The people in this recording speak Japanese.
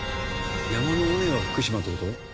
山の上は福島って事？